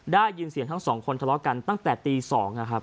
ได้ยินเสียงทั้งสองคนทะเลาะกันตั้งแต่ตี๒นะครับ